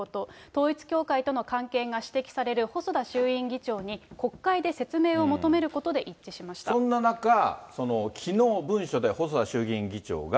統一教会との関係が指摘される細田衆院議長に国会で説明を求めるそんな中、きのう、文書で細田衆院議長が。